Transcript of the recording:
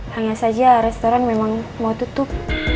hanya saja restoran memang mau tutup